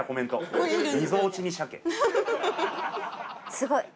すごい。